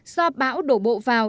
do bão đổ bộ vào